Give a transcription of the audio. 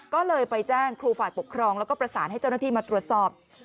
ก็เลยไปแจ้งครูฝ่ายปกครองแล้วก็ประสานให้เจ้าหน้าที่มาตรวจสอบ